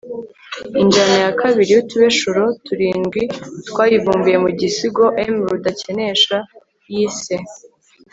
injyana ya kabiri y'utubeshuro turindwi twayivumbuye mu gisigo m.rudakenesha yise